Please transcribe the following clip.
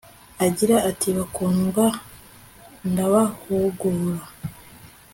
agira ati Bakundwa ndabahugura